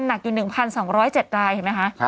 หนักอยู่๑๒๐๗รายเห็นไหมคะ